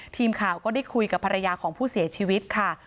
ทีมข่าวก็ได้คุยกับภรรยาของผู้เสียชีวิตค่ะ